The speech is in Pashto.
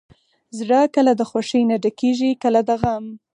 زړه کله د خوښۍ نه ډکېږي، کله د غم.